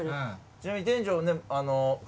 ちなみに店長。